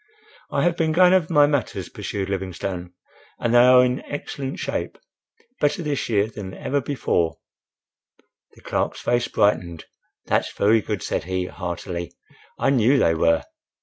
—"I have been going over my matters," pursued Livingstone, "and they are in excellent shape—better this year than ever before—" The clerk's face brightened. "That's very good," said he, heartily. "I knew they were."